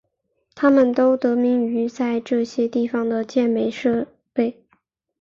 它们都得名于在这些地方的健美设备。